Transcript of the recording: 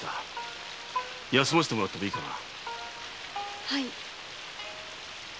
休ませてもらってもいいかな？